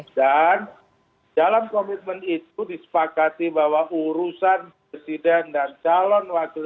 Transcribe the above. dan dalam komitmen itu disepakati bahwa urusan presiden dan calon wakil